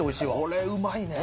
これうまいね。